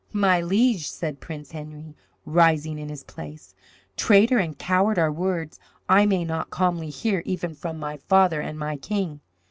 "My liege," said Prince Henry, rising in his place, "traitor and coward are words I may not calmly hear even from my father and my king.